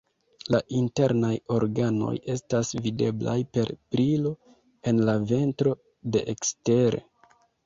La internaj organoj estas videblaj per brilo en la ventro de ekstere.